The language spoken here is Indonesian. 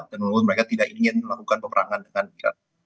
dan lalu mereka tidak ingin melakukan peperangan dengan iran